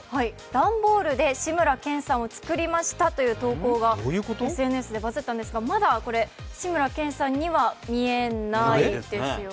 段ボールで志村けんさんを作りましたという投稿がＳＮＳでバズったんですがまだ、これ志村けんさんには見えないですよね。